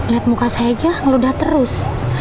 lihat muka saya aja ngeludak terus